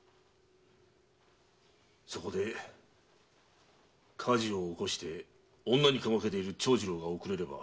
そこで火事を起こして女にかまけている長次郎が遅れれば。